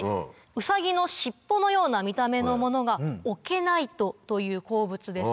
ウサギの尻尾のような見た目のものがオケナイトという鉱物です。